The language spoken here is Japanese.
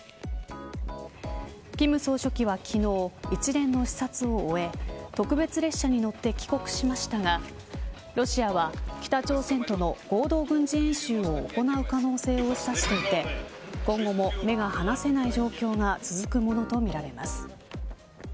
金総書記は昨日一連の視察を終え特別列車に乗って帰国しましたがロシアは北朝鮮との合同軍事演習を行う可能性を示唆していて今後も目が離せない状況が続くものとみられます。